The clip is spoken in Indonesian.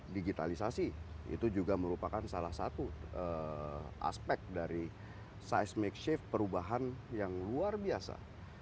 digitalisasi itu juga merupakan salah satu aspek dari seismic shift perubahan yang luar biasa